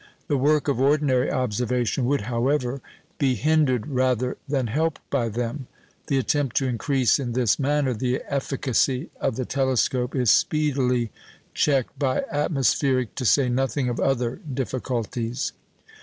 The work of ordinary observation would, however, be hindered rather than helped by them. The attempt to increase in this manner the efficacy of the telescope is speedily checked by atmospheric, to say nothing of other difficulties.